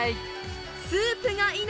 スープが命！